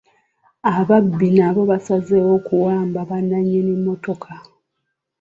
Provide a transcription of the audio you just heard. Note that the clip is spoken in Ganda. Ababbi nabo basazeewo kuwamba bannannnyini mmotoka.